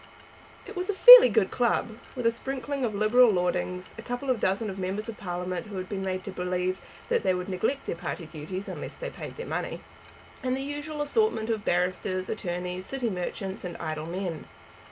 It was a fairly good club, with a sprinkling of Liberal lordlings, a couple of dozen of members of Parliament who had been made to believe that they would neglect their party duties unless they paid their money, and the usual assortment of barristers, attorneys, city merchants and idle men.